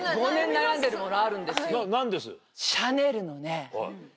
何です？